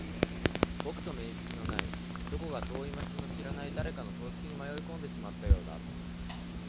僕と面識のない、どこか遠い街の知らない誰かの葬式に迷い込んでしまったようだ。